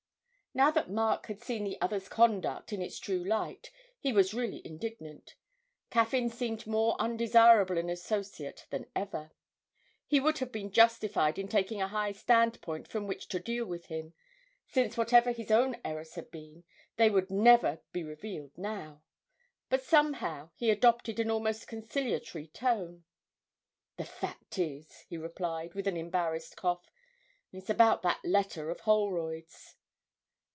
Now that Mark had seen the other's conduct in its true light he was really indignant: Caffyn seemed more undesirable an associate than ever. He would have been justified in taking a high standpoint from which to deal with him since whatever his own errors had been, they would never be revealed now but somehow, he adopted an almost conciliatory tone. 'The fact is,' he replied, with an embarrassed cough, 'it's about that letter of Holroyd's.'